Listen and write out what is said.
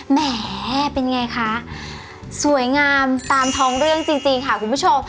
แหมเป็นไงคะสวยงามตามท้องเรื่องจริงค่ะคุณผู้ชม